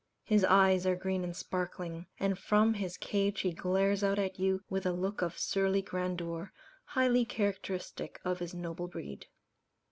His eyes are green and sparkling; and from his cage he glares out at you with a look of surly grandeur, highly characteristic of his noble breed.